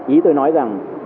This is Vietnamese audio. ý tôi nói rằng